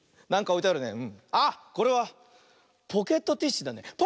これはポケットティッシュだね。